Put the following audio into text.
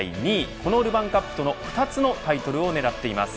このルヴァンカップとの２つのタイトルを狙っています。